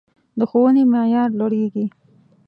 د ښوونې معیار لوړیږي